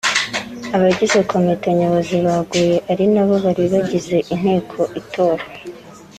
Abagize Komite nyobozi yaguye ari na bo bari bagize inteko itora